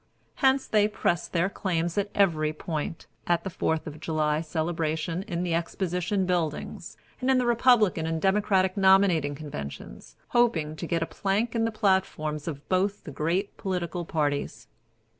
Hence they pressed their claims at every point, at the Fourth of July celebration in the exposition buildings, and in the Republican and Democratic nominating conventions; hoping to get a plank in the platforms of both the great political parties.